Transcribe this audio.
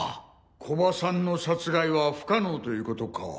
古葉さんの殺害は不可能ということか。